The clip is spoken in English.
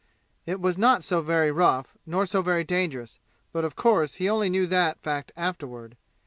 It was not so very rough, nor so very dangerous, but of course he only knew that fact afterward.